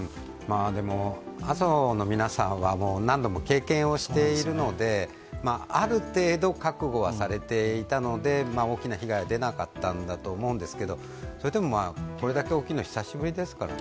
阿蘇の皆さんは、もう何度も経験しているので、ある程度、覚悟はされていたので、大きな被害は出なかったんだと思いますがそれでもこれだけ大きいのは久しぶりですからね。